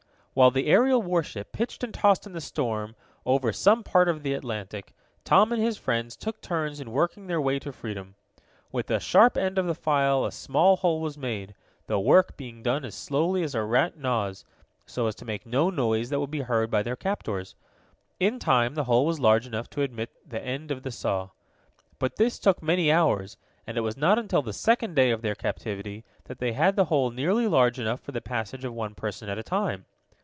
While the aerial warship pitched and tossed in the storm, over some part of the Atlantic, Tom and his friends took turns in working their way to freedom. With the sharp end of the file a small hole was made, the work being done as slowly as a rat gnaws, so as to make no noise that would be heard by their captors. In time the hole was large enough to admit the end of the saw. But this took many hours, and it was not until the second day of their captivity that they had the hole nearly large enough for the passage of one person at a time.